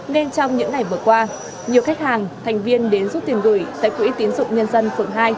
ngay trong những ngày vừa qua nhiều khách hàng thành viên đến giúp tiền gửi tại quỹ tín dụng nhân dân phường hai